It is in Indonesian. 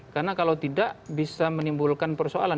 karena kalau tidak bisa menimbulkan persoalan